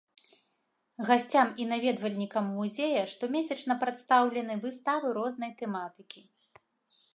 Гасцям і наведвальнікам музея штомесячна прадстаўлены выставы рознай тэматыкі.